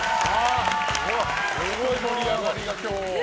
すごい盛り上がりだ、今日。